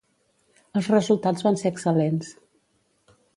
Els resultats van ser excel·lents.